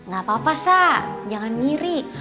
gak apa apa sah jangan mirip